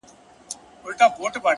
که لوی سوم ځمه د ملا غوږ کي آذان کومه-